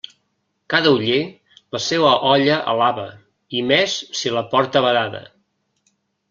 Cada oller, la seua olla alaba, i més si la porta badada.